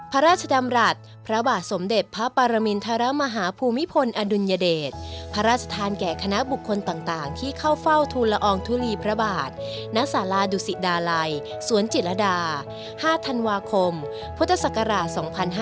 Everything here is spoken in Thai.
พระราชดำรัฐพระบาทสมเด็จพระปรมินทรมาฮาภูมิพลอดุลยเดชพระราชทานแก่คณะบุคคลต่างที่เข้าเฝ้าทูลอองทุลีพระบาทณสาราดุสิดาลัยสวนจิตรดา๕ธันวาคมพุทธศักราช๒๕๕๙